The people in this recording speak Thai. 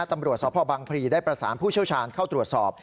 ตำรวจสพบังพลีได้ประสานผู้เชี่ยวชาญเข้าตรวจสอบ